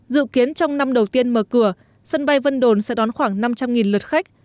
dự kiến trong năm đầu tiên mở cửa sân bay vân đồn sẽ đón khoảng năm trăm linh lượt khách